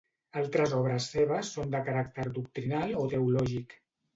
Altres obres seves són de caràcter doctrinal o teològic.